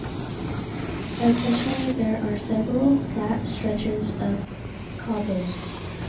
Additionally, there are several flat stretches of cobbles.